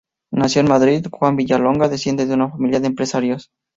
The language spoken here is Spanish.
Nacido en Madrid, Juan Villalonga desciende de una familia de empresarios.